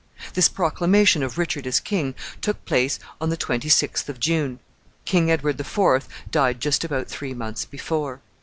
This proclamation of Richard as king took place on the twenty sixth of June. King Edward the Fourth died just about three months before.